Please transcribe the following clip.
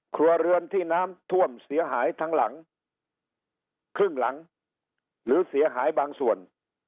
ครัวเรือนที่น้ำท่วมเสียหายทั้งหลังครึ่งหลังหรือเสียหายบางส่วน